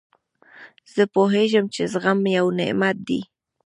زه پوهېږم، چي زغم یو نعمت دئ.